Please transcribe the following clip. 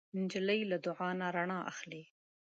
نجلۍ له دعا نه رڼا اخلي.